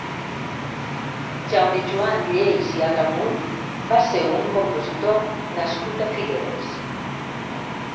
Jaume-Joan Lleys i Agramont va ser un compositor nascut a Figueres.